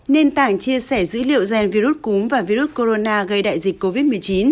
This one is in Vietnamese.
nền tảng chia sẻ dữ liệu gen virus cúm và virus corona gây đại dịch covid một mươi chín